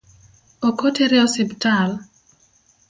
Ok otere osiptal?